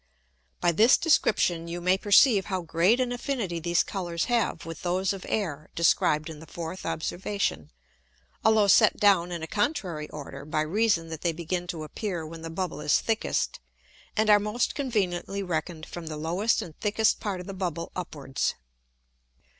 By this description you may perceive how great an affinity these Colours have with those of Air described in the fourth Observation, although set down in a contrary order, by reason that they begin to appear when the Bubble is thickest, and are most conveniently reckon'd from the lowest and thickest part of the Bubble upwards.